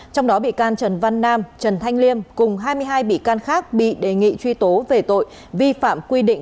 trong đó bị can trần văn nam trần thanh liêm cùng hai mươi hai bị can khác bị đề nghị truy tố về tội vi phạm quy định